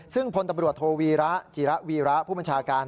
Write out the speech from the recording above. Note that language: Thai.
ซึ่งพลตำรวจโทวีระจิระวีระผู้บัญชาการ